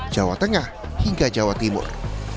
jawa tengah hingga jawa timur